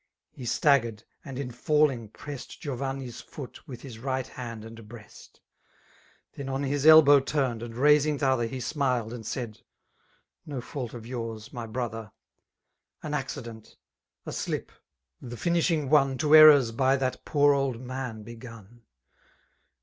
He staggered, and in ftdling (Mrest Giovanni's foot with his right hand and breast : Then on his elbow turned, and raising t'other. He smiled, and s)add, *<No fault of |fours» my broHker ; An accident ^^ slip— ^the fiatsMag one To ermrs.by ihat poor old man. begun.